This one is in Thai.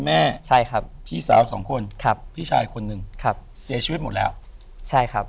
แล้วก็ส่วนพี่ชายก็คือพี่แบงค์ครับ